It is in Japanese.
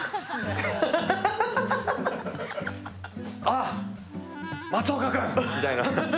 あっ、松岡君！みたいな。